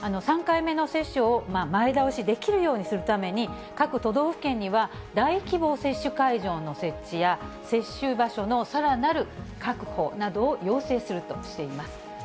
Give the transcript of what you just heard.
３回目の接種を前倒しできるようにするために、各都道府県には大規模接種会場の設置や、接種場所のさらなる確保などを要請するとしています。